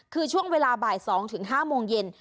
คือช่วงเวลาบ่าย๒๕โมงเย็น